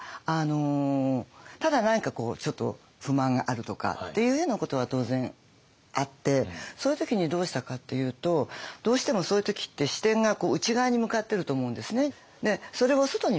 ただ何かちょっと不満があるとかっていうようなことは当然あってそういう時にどうしたかっていうとどうしてもそういう時って視点が内側に向かってると思うんですね。